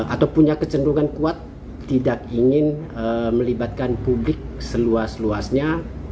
atau punya kecenderungan kuat tidak ingin melibatkan publik seluas luasnya